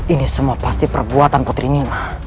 ini semua pasti perbuatan putri nina